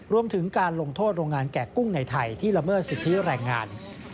รวมถึงการลงโทษโรงงานแกะกุ้งในไทยที่ละเมิดสิทธิแรงงาน